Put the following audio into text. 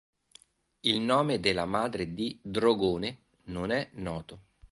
Il nome della madre di Drogone non è noto.